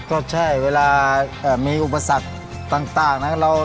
ก็ใช่เวลามีอุปสรรคต่างนะครับ